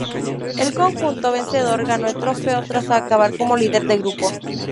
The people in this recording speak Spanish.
El conjunto vencedor gana el trofeo tras acabar como líder de grupo.